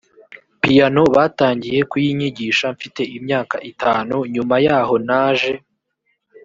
piyano batangiye kuyinyigisha mfite imyaka itanu nyuma yaho naje